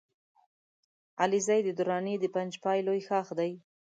علیزی د دراني د پنجپای لوی ښاخ دی